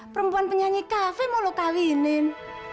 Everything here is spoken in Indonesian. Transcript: perempuan penyanyi cafe mau lo kawinin